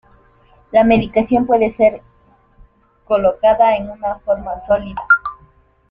La medicación puede ser colocada en una forma sólida.